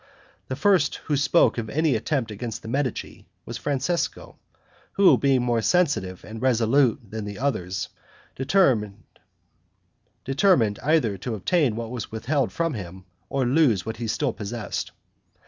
The first who spoke of any attempt against the Medici, was Francesco, who, being more sensitive and resolute than the others, determined either to obtain what was withheld from him, or lose what he still possessed.